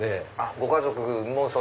ご家族も。